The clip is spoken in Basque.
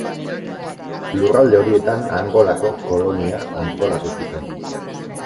Lurralde horietan Angolako kolonia antolatu zuten.